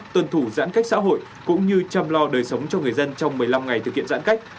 tuân thủ giãn cách xã hội cũng như chăm lo đời sống cho người dân trong một mươi năm ngày thực hiện giãn cách